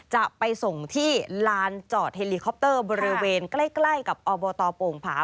จะไปส่งที่ลานจอดเฮลิคอปเตอร์บริเวณใกล้กับอบตโป่งผา